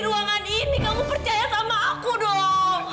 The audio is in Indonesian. kamu percaya sama aku dong